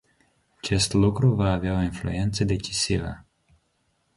Acest lucru va avea o influență decisivă.